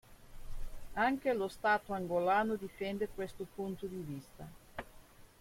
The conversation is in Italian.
Anche lo Stato angolano difende questo punto di vista.